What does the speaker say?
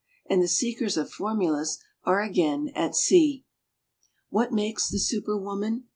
And the seekers of formulas are again at sea. What makes the Super Woman?